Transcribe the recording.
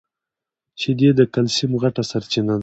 شیدې د کلیسم غټه سرچینه ده.